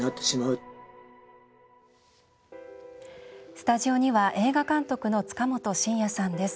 スタジオには映画監督の塚本晋也さんです。